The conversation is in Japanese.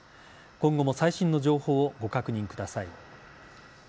今後も最新の情報をご確認ください。